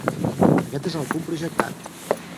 Aquest és el punt projectat.